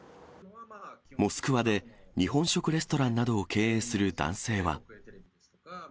モスクワで、日本食レストランなどを経営する男性は。